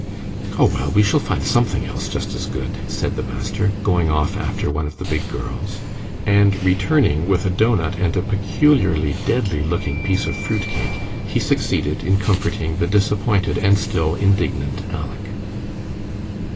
"Oh, well, we shall find something else just as good," said the master, going off after one of the big girls; and returning with a doughnut and a peculiarly deadly looking piece of fruit cake, he succeeded in comforting the disappointed and still indignant Aleck.